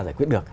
giải quyết được